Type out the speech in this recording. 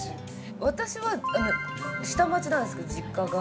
私は下町なんですけど実家が。